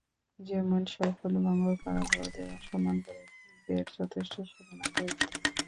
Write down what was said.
যেমন, শপথ ভঙ্গ করা, বড়দের অসম্মান করা, অতিথিদের যথেষ্ট সেবা না করা, ইত্যাদি।